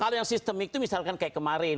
hal yang sistemik itu misalkan kayak kemarin